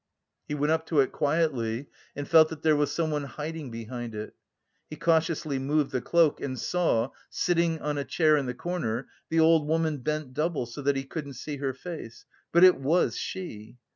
He went up to it quietly and felt that there was someone hiding behind it. He cautiously moved the cloak and saw, sitting on a chair in the corner, the old woman bent double so that he couldn't see her face; but it was she.